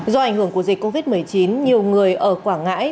do ảnh hưởng của dịch covid một mươi chín nhiều người ở quảng ngãi